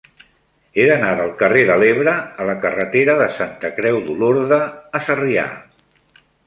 He d'anar del carrer de l'Ebre a la carretera de Santa Creu d'Olorda a Sarrià.